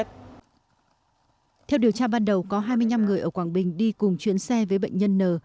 theo điều tra ban đầu có hai mươi năm người ở quảng bình đi cùng chuyến xe với bệnh nhân n